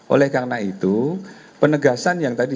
oleh karena itu penegasan yang tadi